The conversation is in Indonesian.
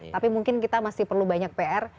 tapi mungkin kita masih perlu banyak pr